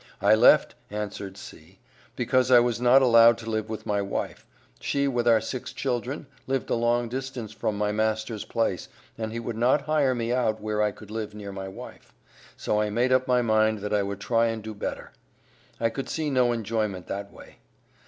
"I left," answered C., "because I was not allowed to live with my wife. She with our six children, lived a long distance from my master's place, and he would not hire me out where I could live near my wife, so I made up my mind that I would try and do better. I could see no enjoyment that way."